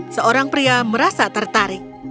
seorang pria merasa tertarik